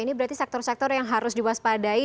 ini berarti sektor sektor yang harus diwaspadai